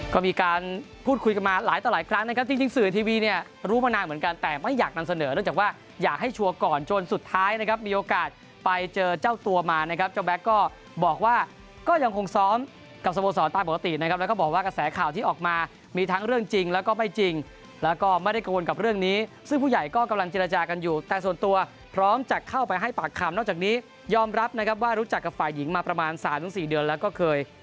ก็มีการพูดคุยกันมาหลายต่อหลายครั้งนะครับจริงสื่อทีวีเนี่ยรู้มานานเหมือนกันแต่ไม่อยากนำเสนอเนื่องจากว่าอยากให้ชัวก่อนจนสุดท้ายนะครับมีโอกาสไปเจอเจ้าตัวมานะครับเจ้าแบ๊กก็บอกว่าก็ยังคงซ้อมกับสโมสรต้านปกตินะครับแล้วก็บอกว่ากระแสข่าวที่ออกมามีทั้งเรื่องจริงแล้วก็ไม่จริงแล้วก็ไม่ได้ก